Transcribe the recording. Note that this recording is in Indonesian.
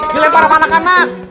gile parah anak anak